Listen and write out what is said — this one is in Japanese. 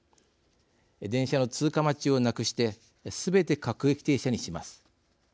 電車の通過待ちをなくしてすべて各駅停車にします。